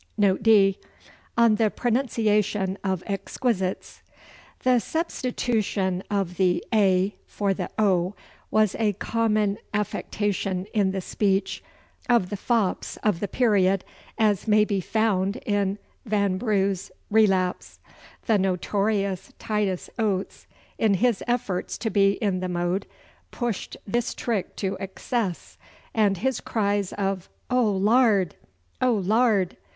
Note D. On the Pronunciation of Exquisites. The substitution of the a for the o was a common affectation in the speech of the fops of the period, as may be found in Vanbrugh's Relapse. The notorious Titus Oates, in his efforts to be in the mode, pushed this trick to excess, and his cries of 'Oh Lard! Oh Lard!